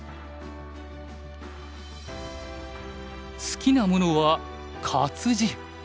好きなものは活字。